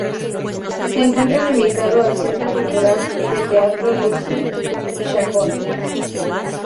Se encuentra limitado al centro cultural de teatro Dulce Chacón.